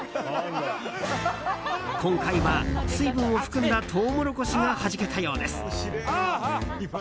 今回は水分を含んだトウモロコシがはじけたようです。